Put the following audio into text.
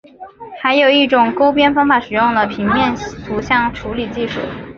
还有一种勾边方法使用了平面图像处理技术。